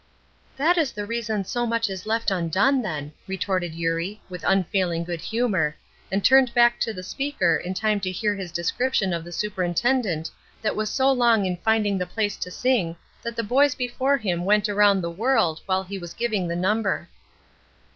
"That is the reason so much is left undone, then," retorted Eurie, with unfailing good humor, and turned back to the speaker in time to hear his description of the superintendent that was so long in finding the place to sing that the boys before him went around the world while he was giving the number.